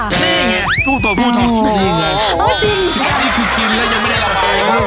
นี่ไงกู้ตัวนี่ไงอ๋อจริงครับอันนี้คือกินแล้วยังไม่ได้อร่อยนะครับ